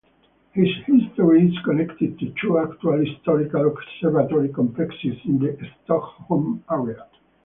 Its history is connected to two actual historical observatory complexes in the Stockholm area.